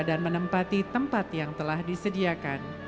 dan menempati tempat yang telah disediakan